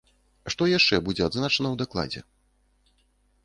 Што яшчэ будзе адзначана ў дакладзе?